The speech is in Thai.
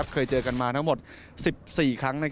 เคยเจอกันมาทั้งหมด๑๔ครั้ง